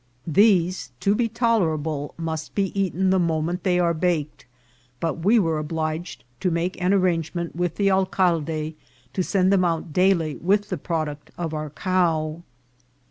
These, to be tolerable, must be eaten the moment they are baked; but we were obliged to make an arrangement with the alcalde to send them out daily with the product of our cow.